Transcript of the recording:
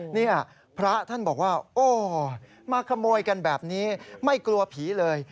นี่พระท่านบอกว่าโอ้มาขโมยกันแบบนี้ไม่กลัวผีเลย